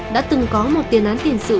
đã từng có một tiền án tiền sự